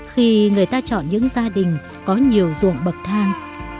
khi người ta chọn những gia đình có nhiều ruộng bậc thang